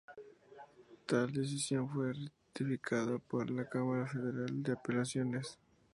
Tal decisión fue ratificada por la Cámara Federal de Apelaciones.